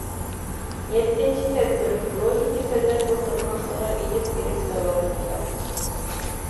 -يەتتىنچى تەدبىر، روھىي كېسەللەر دوختۇرخانىسىغا ئېلىپ بېرىپ داۋالىتىڭلار.